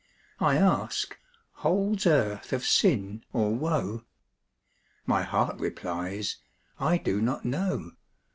I ask, "Holds earth of sin, or woe?" My heart replies, "I do not know."